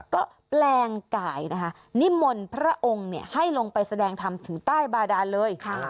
ก็แปลงกายนะคะนิมนต์พระองค์ให้ลงไปแสดงธรรมถึงใต้บาดานเลย